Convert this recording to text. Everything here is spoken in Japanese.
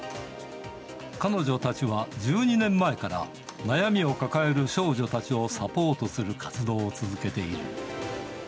彼女たちは１２年前から、悩みを抱える少女たちをサポートする活動を続けている。